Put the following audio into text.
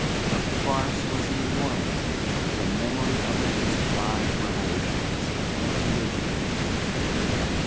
The farce was enormous; the memory of it would survive revolutions and religions.